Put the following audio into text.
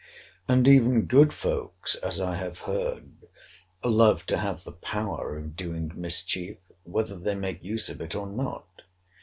And even good folks, as I have heard, love to have the power of doing mischief, whether they make use of it or not.